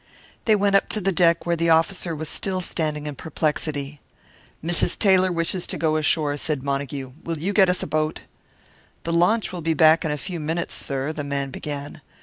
They went up to the deck, where the officer was still standing in perplexity. "Mrs. Taylor wishes to go ashore," said Montague. "Will you get us a boat?" "The launch will be back in a few minutes, sir " the man began.